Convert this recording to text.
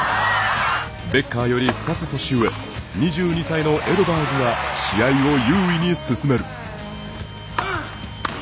ベッカーより２つ年上２２歳のエドバーグが試合を優位に進める。